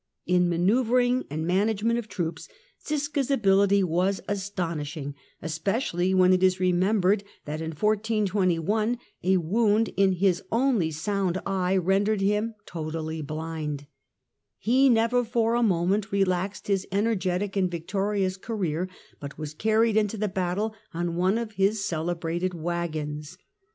In manoeuvring and management of troops Ziska's abihty was astonishing, especially when it is remembered that in 1421 a wound in his only sound eye rendered him totally blind ; he never for a moment relaxed his energetic and vic torious career, but was carried into the battle on one of his celebrated waggons.